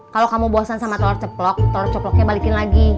kalau kamu bosan sama telur ceplok telur cokloknya balikin lagi